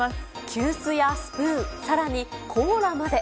急須やスプーン、さらにコーラまで。